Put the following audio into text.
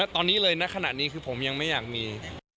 ตอนนี้เลยณขณะนี้คือผมยังไม่อยากมี